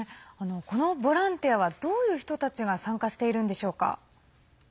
このボランティアはどういう人たちが参加しているんでしょうか？